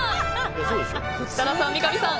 設楽さん、三上さん